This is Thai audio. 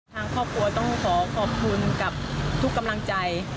ทางครอบครัวต้องขอขอบคุณกับทุกกำลังใจ